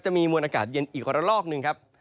มีมวลอากาศเย็นอีกระลอกหนึ่งครับ